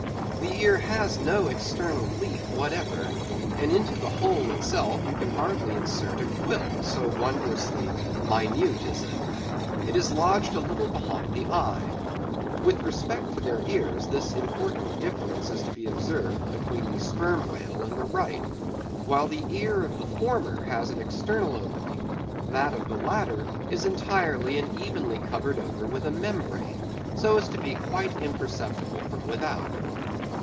The ear has no external leaf whatever; and into the hole itself you can hardly insert a quill, so wondrously minute is it. It is lodged a little behind the eye. With respect to their ears, this important difference is to be observed between the sperm whale and the right. While the ear of the former has an external opening, that of the latter is entirely and evenly covered over with a membrane, so as to be quite imperceptible from without.